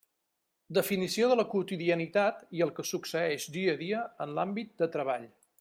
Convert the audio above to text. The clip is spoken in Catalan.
Definició de la quotidianitat i el que succeeix dia a dia en l'àmbit de treball.